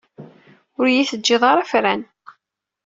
Ur iyi-teǧǧiḍ ara afran.